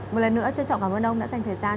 một lần nữa trân trọng cảm ơn ông đã dành thời gian